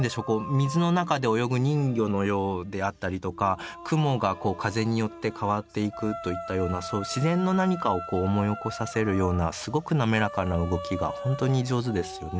水の中で泳ぐ人魚のようであったりとか雲が風によって変わっていくといったような自然の何かを思い起こさせるようなすごく滑らかな動きがほんとに上手ですよね。